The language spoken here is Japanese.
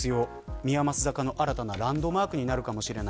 宮益坂の新たなランドマークになるかもしれない。